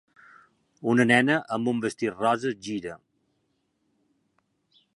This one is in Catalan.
Una nena amb un vestit rosa gira.